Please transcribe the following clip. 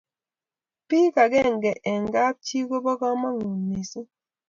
kip akenge eng kap chii kobo kamangut mising